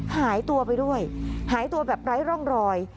หายตัวไปด้วยหายตัวแบบไร้ร่องรอย